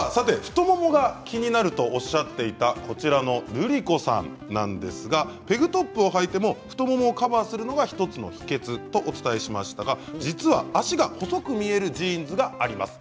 太ももが気になるとおっしゃっていたるりこさんなんですがペグトップをはいても太ももをカバーするのが１つの秘けつとお伝えしましたが実は脚が細く見えるジーンズがあります。